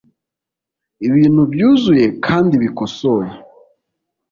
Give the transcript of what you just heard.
ibintu byuzuye kandi bikosoye